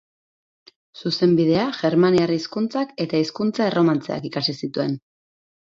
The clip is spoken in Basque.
Zuzenbidea, Germaniar Hizkuntzak eta Hizkuntza Erromantzeak ikasi zituen.